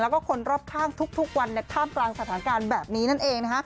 แล้วก็คนรอบข้างทุกวันท่ามกลางสถานการณ์แบบนี้นั่นเอง